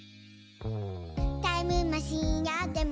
「タイムマシンあっても」